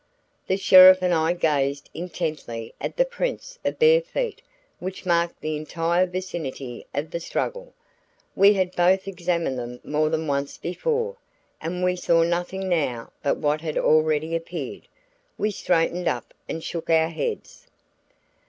The sheriff and I gazed intently at the prints of bare feet which marked the entire vicinity of the struggle. We had both examined them more than once before, and we saw nothing now but what had already appeared. We straightened up and shook our heads.